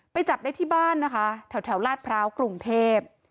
ไปจับได้ที่บ้านแถวราษพราวกรุงเทพฯ